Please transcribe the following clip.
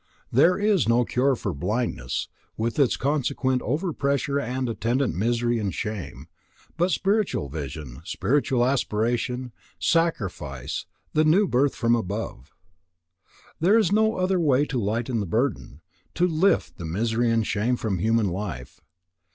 There is no cure for blindness, with its consequent over pressure and attendant misery and shame, but spiritual vision, spiritual aspiration, sacrifice, the new birth from above. There is no other way to lighten the burden, to lift the misery and shame from human life.